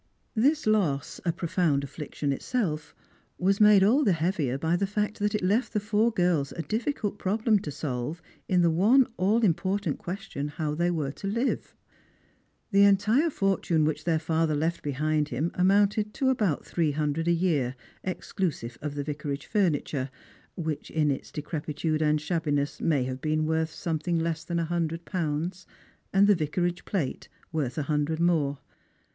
This loss — a profound affliction itself — was made all the heavier by the fact that it left the four girls a difiicult problem 238 Strangers and Pilgrims. to solve in the one all important question how they were to liva The entire fortune which their father left behind him amounted to at jut three hundred a year, exclusive of the Vicarage furni ture, which, in its decrepitude and shabbiness, may have been worth something less than a hundred pounds, and the Vicarage plate, worth a hundred more.